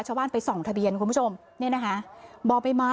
ชาวบ้านไปส่องทะเบียนคุณผู้ชมนี่นะคะ